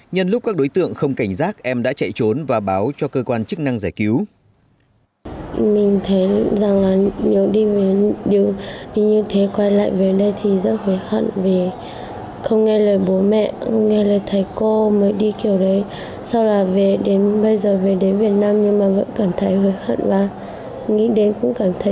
nhân lúc các đối tượng không cảnh giác em đã chạy trốn và báo cho cơ quan chức năng giải cứu